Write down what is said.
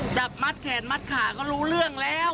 จับมัดแขนมัดขาก็รู้เรื่องแล้ว